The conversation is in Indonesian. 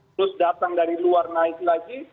terus datang dari luar naik lagi